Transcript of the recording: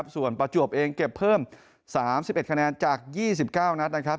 ส่วนประจวบเองเก็บเพิ่ม๓๑คะแนนจาก๒๙นัดนะครับ